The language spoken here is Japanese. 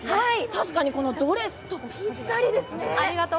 確かにこのドレスとぴったりですね。